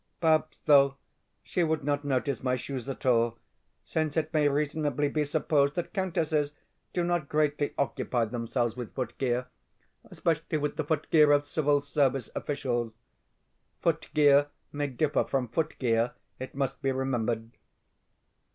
Perhaps, though, she would not notice my shoes at all, since it may reasonably be supposed that countesses do not greatly occupy themselves with footgear, especially with the footgear of civil service officials (footgear may differ from footgear, it must be remembered).